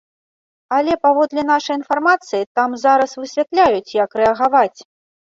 Але, паводле нашай інфармацыі, там зараз высвятляюць, як рэагаваць.